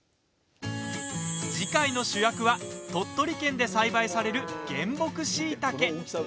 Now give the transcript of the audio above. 次回の主役は鳥取県で栽培される原木しいたけ。